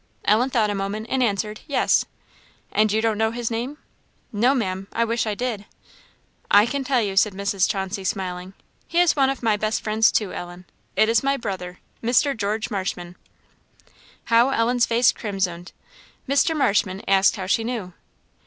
Ellen thought a moment and answered, "yes." "And you don't know his name?" "No, Ma'am; I wish I did." "I can tell you," said Mrs. Chauncey, smiling; "he is one of my best friends, too, Ellen; it is my brother, Mr. George Marshman." How Ellen's face crimsoned! Mr. Marshman asked how she knew.